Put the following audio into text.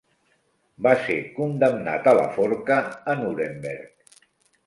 Va ser condemnat a la forca a Nuremberg.